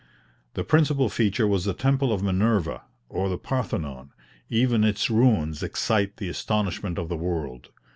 The principal feature was the temple of Minerva, or the Parthenon; even its ruins excite the astonishment of the world.